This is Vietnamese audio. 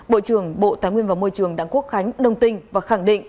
bộ trưởng bộ tài nguyên và môi trường đảng quốc khánh đồng tinh và khẳng định